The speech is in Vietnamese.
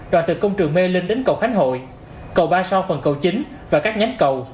đoàn từ công trường mê linh đến cầu khánh hội cầu ba so phần cầu chính và các nhánh cầu